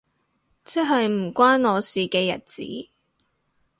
即係唔關我事嘅日子